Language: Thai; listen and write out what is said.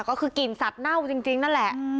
ก็คือกลิ่นสัตว์เน่าจริงนั่นแหละ